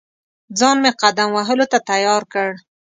ځان مې قدم وهلو ته تیار کړ.